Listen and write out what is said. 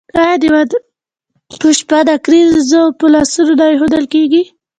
آیا د واده په شپه نکریزې په لاسونو نه کیښودل کیږي؟